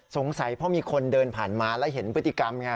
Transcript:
สงสัยเพราะมีคนเดินผ่านมาแล้วเห็นพฤติกรรมไง